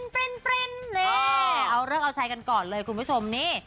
ปริ้นนี่เอาเลิกเอาใช้กันก่อนเลยคุณผู้ชมนี่